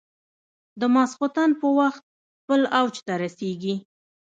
د ماخوستن په وخت خپل اوج ته رسېږي.